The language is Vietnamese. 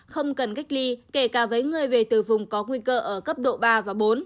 không cần cách ly kể cả với người về từ vùng có nguy cơ ở cấp độ ba và bốn